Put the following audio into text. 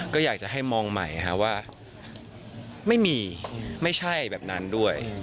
ก็อยากจะให้มองใหม่ว่าไม่มีไม่ใช่แบบนั้นด้วย